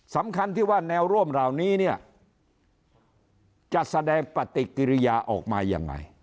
สำคัญที่ว่าแนวร่วมเหล่านี้เนี่ยจะแสดงปฏิกิริยาออกมายังไง